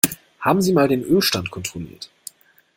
Haben Sie mal den Ölstand kontrolliert?